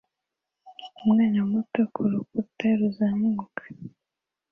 Umwana muto kurukuta ruzamuka